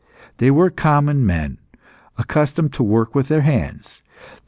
They were common men, accustomed to work with their hands.